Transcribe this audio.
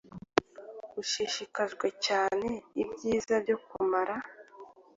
Ushishikajwe cyane Ibyiza byo kumara,